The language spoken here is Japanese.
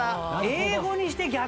英語にして逆！